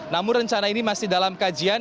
namun rencana ini masih dalam kajian